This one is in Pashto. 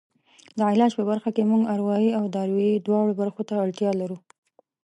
د علاج په برخه کې موږ اروایي او دارویي دواړو برخو ته اړتیا لرو.